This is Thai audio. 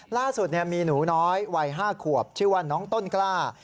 ล่าสุดมีหนูน้อยวัย๕ขวบชื่อว่าน้องต้นกล้า